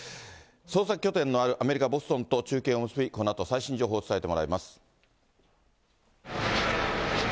捜索拠点のあるアメリカ・ボストンと中継を結び、このあと最新情報をお伝えしてもらいます。